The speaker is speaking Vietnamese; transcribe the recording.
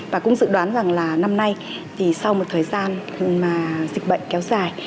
và cũng dự đoán rằng là năm nay sau một thời gian dịch bệnh kéo dài